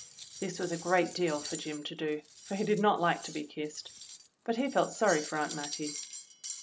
This was a great deal for Jim to do, for he did not like to be kissed. But he felt sorry for Aunt Mattie.